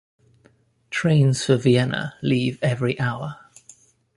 Trains for Vienna leave every hour.